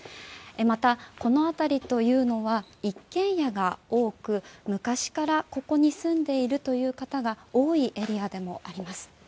また、この辺りというのは一軒家が多く昔からここに住んでいるという方が多いエリアでもあります。